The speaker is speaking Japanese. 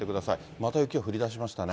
また雪が降りだしましたね。